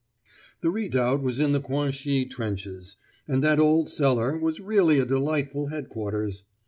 The redoubt was in the Cuinchy trenches, and that old cellar was really a delightful headquarters.